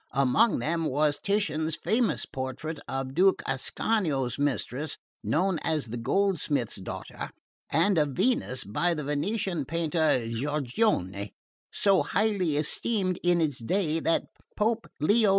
Among them was Titian's famous portrait of Duke Ascanio's mistress, known as the Goldsmith's Daughter, and a Venus by the Venetian painter Giorgione, so highly esteemed in its day that Pope Leo X.